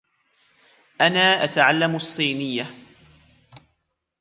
أنا أتعلّم الصّينيّة.